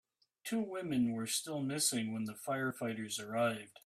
Two women were still missing when the firefighters arrived.